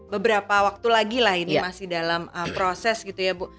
beberapa waktu lagi lah ini masih dalam proses gitu ya bu